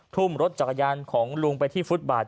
ทุ่มรถจักรยานของลุงไปที่ฟุตบาท